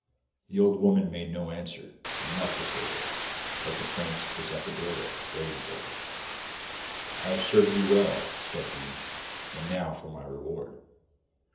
The old woman made no answer, and left the stable, but the prince was at the door waiting for her. 'I have served you well,' said he, 'and now for my reward.